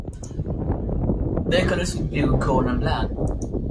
Their colors were blue, gold and black.